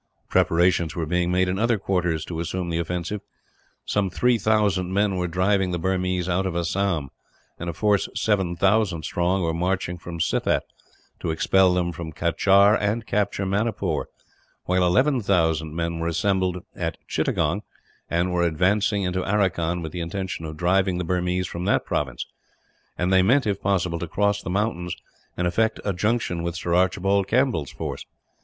Preparations were being made in other quarters to assume the offensive. Some 3000 men were driving the Burmese out of Assam; and a force 7000 strong was marching from Sylhet, to expel them from Cachar and capture Manipur; while 11,000 men were assembled at Chittagong, and were advancing into Aracan with the intention of driving the Burmese from that province and they meant, if possible, to cross the mountains and effect a junction with Sir Archibald Campbell's force.